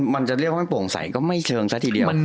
มันจะเรียกว่าไม่โปร่งใสก็ไม่เชิงซะทีเดียว